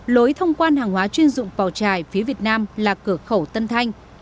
lối thông quan hàng hóa chuyên dụng vào trài phía việt nam là cửa khẩu tân thanh